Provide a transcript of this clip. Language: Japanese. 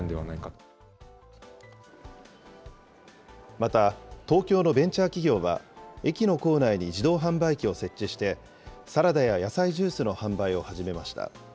また、東京のベンチャー企業は、駅の構内に自動販売機を設置して、サラダや野菜ジュースの販売を始めました。